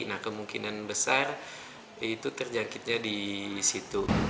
nah kemungkinan besar itu terjangkitnya di situ